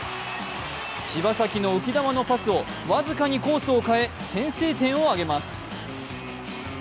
柴崎の浮き球のパスを僅かにコースを変え、先制点を挙げます。